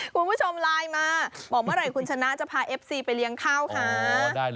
คุณผู้ชมไลน์มาบอกเมื่อไหร่คุณชนะจะพาเอฟซีไปเลี้ยงข้าวหา